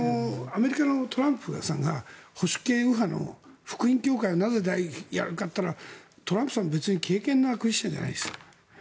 アメリカのトランプさんが保守系右派の福音協会をなぜやるかといったらトランプさんは別に敬けんなクリスチャンじゃないです。